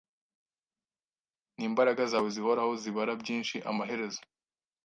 Nimbaraga zawe zihoraho zibara byinshi amaherezo.